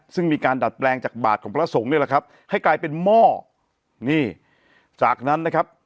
ซึ่งมีการดัดแปลงจากบาทของพระสงฆ์นี่แหละครับให้กลายเป็นหม้อนี่จากนั้นนะครับ